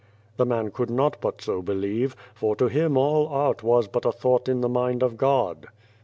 1 " The man could not but so believe, for to him all art was but a thought in the mind of God.